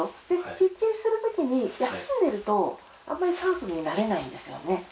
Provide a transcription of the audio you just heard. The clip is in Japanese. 休憩するときに、休んでると、あんまり酸素に慣れないんですよね。